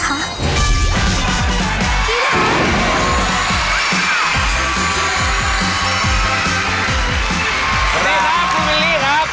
สวัสดีครับคู่เมลี่ครับ